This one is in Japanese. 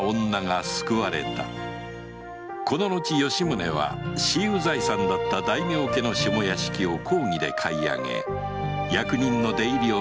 この後吉宗は私有財産だった大名家の下屋敷を公儀で買い上げ役人の出入りを認めさせ悪の巣窟を一掃したのである